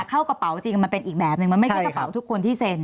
เข้ากระเป๋าจริงมันเป็นอีกแบบนึงมันไม่ใช่กระเป๋าทุกคนที่เซ็น